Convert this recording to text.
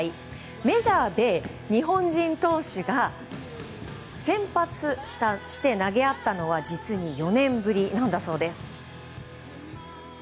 メジャーで日本人投手が先発して、投げ合ったのは実に４年ぶりなんだそうです。